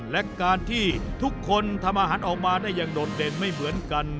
และการที่ทุกคนทำอาหารออกมาได้อย่างโดดเด่นไม่เหมือนกัน